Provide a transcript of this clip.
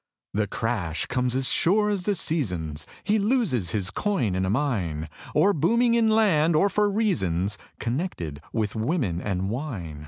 The crash comes as sure as the seasons; He loses his coin in a mine, Or booming in land, or for reasons Connected with women and wine.